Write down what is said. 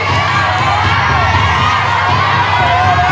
สวัสดีครับ